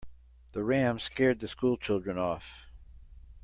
The ram scared the school children off.